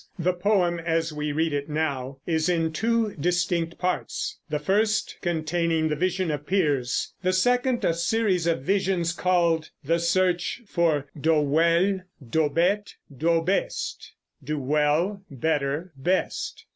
The poem as we read it now is in two distinct parts, the first containing the vision of Piers, the second a series of visions called "The Search for Dowel, Dobet, Dobest" (do well, better, best).